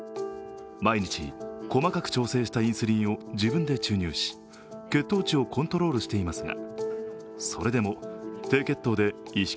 毎日細かく調整したインスリンを自分で注入し血糖値をコントロールしていますが、それでも低血糖で意識